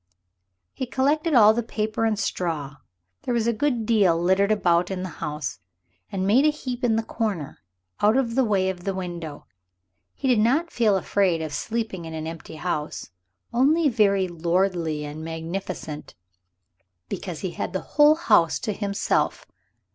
He collected all the paper and straw there was a good deal littered about in the house and made a heap in the corner, out of the way of the window. He did not feel afraid of sleeping in an empty house, only very lordly and magnificent because he had a whole house to himself.